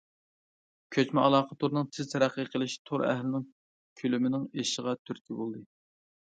كۆچمە ئالاقە تورىنىڭ تېز تەرەققىي قىلىشى تور ئەھلىنىڭ كۆلىمىنىڭ ئېشىشىغا تۈرتكە بولدى.